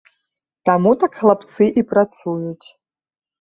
Таму так хлапцы і працуюць.